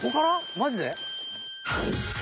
マジで？